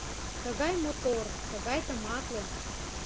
Тыгай мотор, тыгай тыматле.